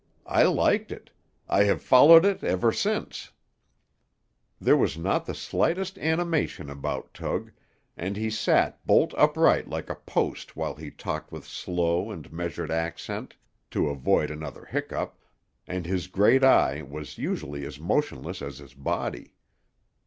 I liked it. I have followed it ever since." There was not the slightest animation about Tug, and he sat bolt upright like a post while he talked with slow and measured accent, to avoid another hiccough, and his great eye was usually as motionless as his body.